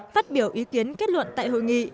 phát biểu ý kiến kết luận tại hội nghị